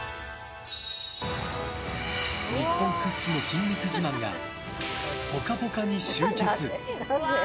日本屈指の筋肉自慢が「ぽかぽか」に集結！